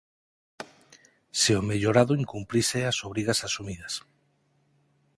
Se o mellorado incumprise as obrigas asumidas.